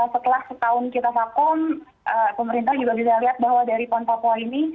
setelah setahun kita vakum pemerintah juga bisa lihat bahwa dari pon papua ini